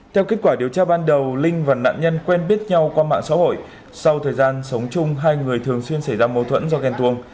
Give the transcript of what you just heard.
theo kết quả điều tra ban đầu linh và nạn nhân quen biết nhau qua mạng xã hội sau thời gian sống chung hai người thường xuyên xảy ra mâu thuẫn do ghen tuông